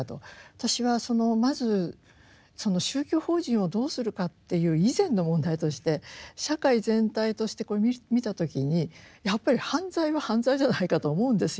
私はまずその宗教法人をどうするかっていう以前の問題として社会全体としてこれ見た時にやっぱり犯罪は犯罪じゃないかと思うんですよ。